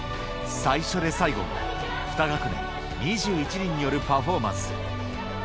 最初で最後、２学年２１人によるパフォーマンス。